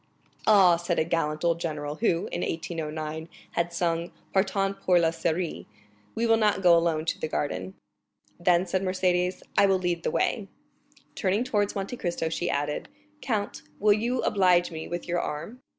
"Ah," said a gallant old general, who, in 1809, had sung Partant pour la Syrie,—"we will not go alone to the garden." "Then," said Mercédès, "I will lead the way." Turning towards Monte Cristo, she added, "count, will you oblige me with your arm?"